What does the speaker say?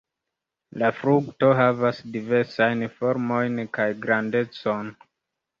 La frukto havas diversajn formojn kaj grandecon.